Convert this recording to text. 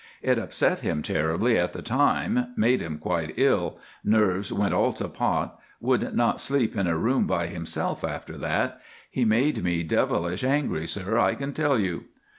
It upset him terribly at the time—made him quite ill—nerves went all to pot—would not sleep in a room by himself after that. He made me devilish angry, sir, I can tell you."